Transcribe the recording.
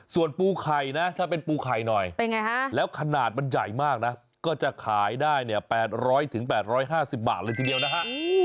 ส่วนปูไข่นะถ้าเป็นปูไข่หน่อยฮะแล้วขนาดมันใหญ่มากนะก็จะขายได้เนี่ย๘๐๐๘๕๐บาทเลยทีเดียวนะฮะ